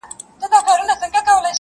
خالقه ورځي څه سوې توري شپې دي چي راځي.!